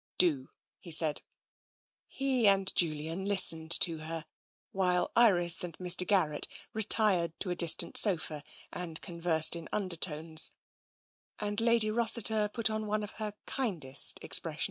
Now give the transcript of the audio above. " Do," he said. He and Julian listened to her, while Iris and Mr. Garrett retired to a distant sofa and conversed in un dertones, and Lady Rossiter put on one of her kindest expressions.